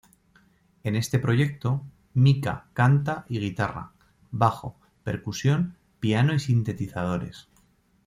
En este proyecto, Mika canta y guitarra, bajo, percusión, piano y sintetizadores.